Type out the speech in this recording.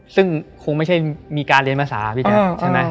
ซึ่งคงไม่ใช่มีการเรียนภาษาพี่แจ๊คใช่ไหม